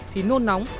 thì nôn nóng